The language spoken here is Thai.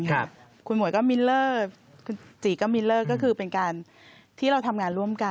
คุณหมวยก็มิลเลอร์คุณจีก็มิลเลอร์ก็คือเป็นการที่เราทำงานร่วมกัน